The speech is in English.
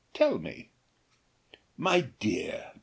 tell me." "My dear!